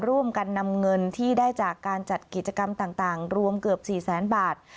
ร่วมกันนำเงินที่ได้จากการจัดกิจกรรมต่างรวมเกือบ๔แสนบาท